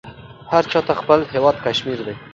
هر چاته خپل هیواد کشمیر وې.